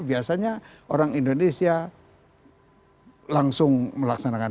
biasanya orang indonesia langsung melaksanakan